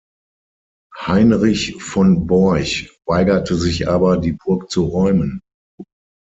Heinrich von Borch weigerte sich aber, die Burg zu räumen.